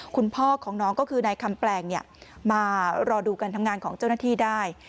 คุณพ่อของน้องก็คือนายคำแปลงมารอดูการทำงานของเจ้าหน้าที่ได้